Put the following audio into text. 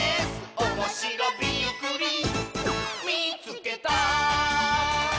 「おもしろびっくりみいつけた！」